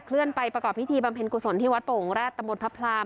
ต่อไปประกอบพิธีบำเพ็ญกุศลที่วัดโป๋งราชตมภพราม